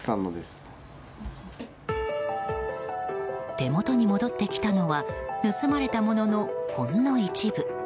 手元に戻ってきたのは盗まれたもののほんの一部。